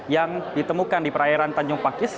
yang ditemukan di perairan tanjung pakis